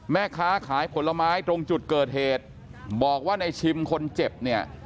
แม่ค้าขายผลไม้ตรงจุดเกิดเหตุบอกว่าในชิมคนเจ็บเนี่ย